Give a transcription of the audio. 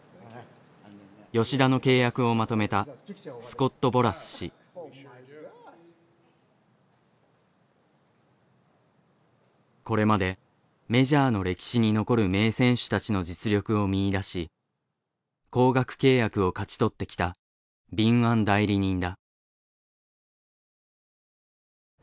吉田の契約をまとめたこれまでメジャーの歴史に残る名選手たちの実力を見いだし高額契約を勝ち取ってきた敏腕代理人だ。